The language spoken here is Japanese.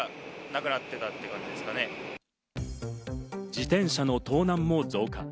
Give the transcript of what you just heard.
自転車の盗難も増加。